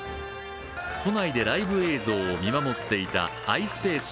都内でライブ映像を見守っていたｉｓｐａｃｅ